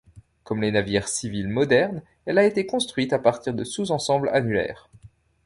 Comme les navires civils modernes, elle a été construite à partir de sous-ensembles annulaires.